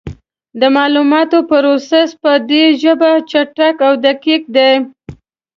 د معلوماتو پروسس په دې ژبه چټک او دقیق دی.